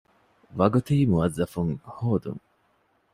ވަގުތީ މުވައްޒަފުން ހޯދުން